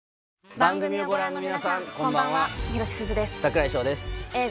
番組をご覧の皆さんこんばんは。